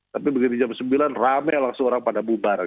tapi begini jam sembilan rame langsung orang pada bubar